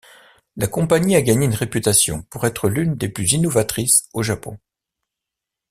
La compagnie a gagné une réputation pour être l'une des plus innovatrices au Japon.